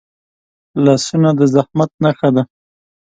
لاسونه د زحمت نښه ده